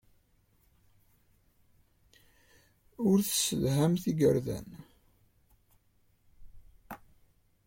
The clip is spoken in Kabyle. Ur tessedhamt igerdan.